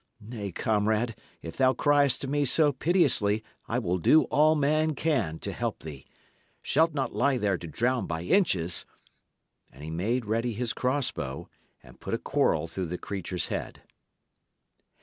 Nay, comrade, if thou criest to me so piteously, I will do all man can to help thee. Shalt not lie there to drown by inches!" And he made ready his crossbow, and put a quarrel through the creature's head.